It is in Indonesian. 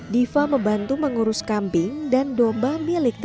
diva membantu mengurus kambing dan domba miliknya